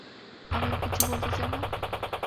আমাকে কিছু বলতে চাও না?